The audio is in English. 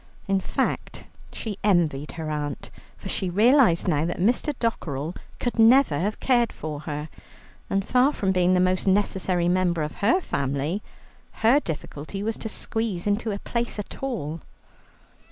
In fact she envied her aunt, for she realized now that Mr. Dockerell could never have cared for her. And far from being the most necessary member of her family, her difficulty was to squeeze into a place at all.